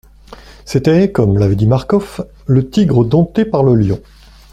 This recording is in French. C'était, comme l'avait dit Marcof, le tigre dompté par le lion.